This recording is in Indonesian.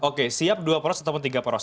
oke siap dua poros ataupun tiga poros